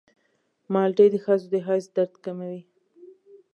مالټې د ښځو د حیض درد کموي.